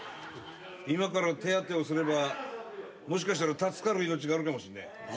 今から手当てをすればもしかしたら助かる命があるかもしんねえ。